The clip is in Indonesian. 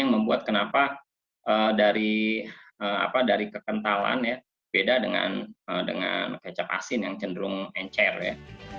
yang membuat kenapa dari kekentalan ya beda dengan kecap asin yang cenderung encer ya